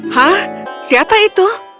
hah siapa itu